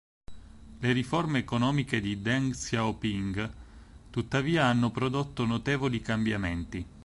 Le riforme economiche di Deng Xiaoping tuttavia hanno prodotto notevoli cambiamenti.